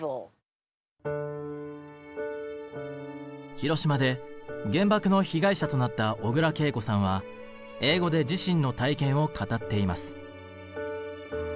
広島で原爆の被害者となった小倉桂子さんは英語で自身の体験を語っています。